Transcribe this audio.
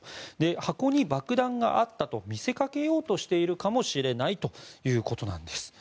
箱に爆弾があったと見せかけようとしているかもしれないということです。